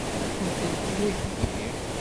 Ad kent-tent-id-iheggi?